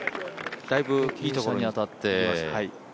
だいぶいいところに当たって。